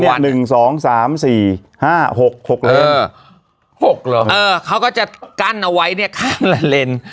เขาก็จะกั้นเอาไว้เนี่ยข้างละเลน